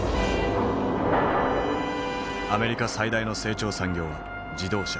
アメリカ最大の成長産業は自動車。